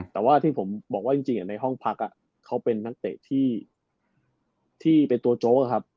แต่ว่าที่ผมบอกว่าจริงในห้องพักเขาเป็นนักเตะที่เป็นตัวโจ๊กครับ